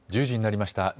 １０時になりました。